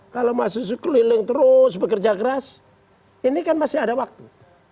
kalau mas susi keliling terus bekerja keras ini kan masih ada waktu